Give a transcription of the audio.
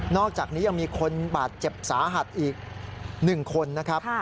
อกจากนี้ยังมีคนบาดเจ็บสาหัสอีก๑คนนะครับ